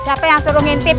siapa yang suruh ngintip